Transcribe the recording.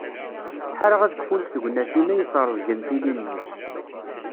Ḥareɣ ad kfunt tegnatin-a yesrezgen tilin-iw.